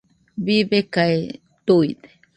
Bibekae tuide.